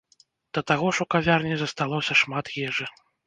Да таго ж у кавярні засталося шмат ежы.